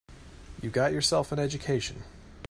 You get yourself an education.